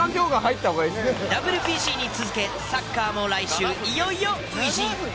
ＷＢＣに続けサッカーも来週いよいよ初陣！